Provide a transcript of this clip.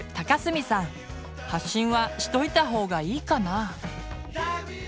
発信はしといた方がいいかな？